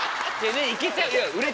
いけちゃういや。